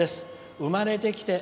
生まれてきて